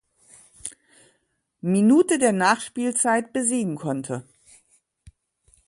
Minute der Nachspielzeit besiegen konnte.